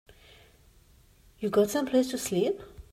You got someplace to sleep?